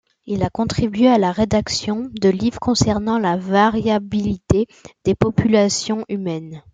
Il a contribué à la rédaction de livres concernant la variabilité des populations humaines.